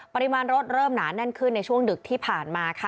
ปริมาณรถเริ่มหนาแน่นขึ้นในช่วงดึกที่ผ่านมาค่ะ